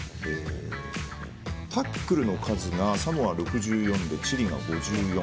タックルの数がサモア６４チリが５４。